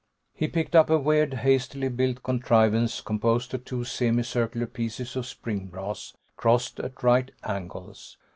He picked up a weird, hastily built contrivance composed of two semi circular pieces of spring brass, crossed at right angles.